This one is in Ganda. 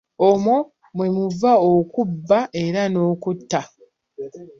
Omwo mwe muva okubba era n'okutta.